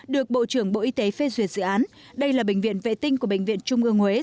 được bộ trưởng bộ y tế phê duyệt dự án đây là bệnh viện vệ tinh của bệnh viện trung ương huế